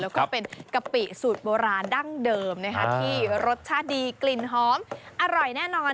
แล้วก็เป็นกะปิสูตรโบราณดั้งเดิมที่รสชาติดีกลิ่นหอมอร่อยแน่นอน